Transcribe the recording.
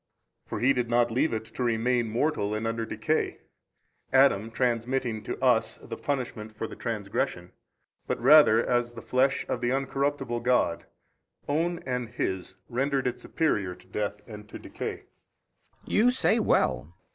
for He did not leave it to remain mortal and under decay, Adam transmitting to us the punishment for the transgression, but rather as the flesh of the uncorruptible God, Own and His, rendered it superior to death and to decay. B. You say well.